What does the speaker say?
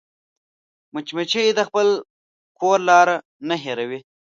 مچمچۍ د خپل کور لار نه هېروي